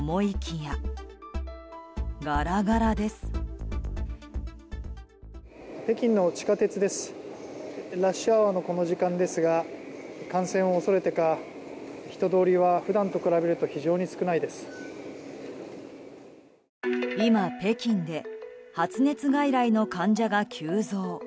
今、北京で発熱外来の患者が急増。